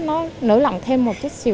nó nới lỏng thêm một chút